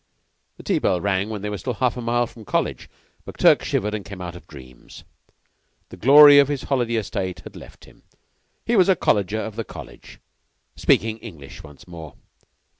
The tea bell rang when they were still half a mile from College. McTurk shivered and came out of dreams. The glory of his holiday estate had left him. He was a Colleger of the College, speaking English once more.